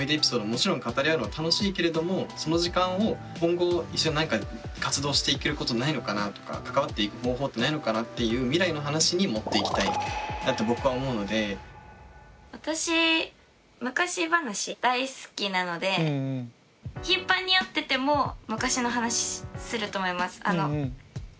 もちろん語り合うのは楽しいけれどもその時間を今後一緒に何か活動していけることないのかなとか関わっていく方法ってないのかなっていう私昔話大好きなので頻繁に会ってても昔の話すると思います。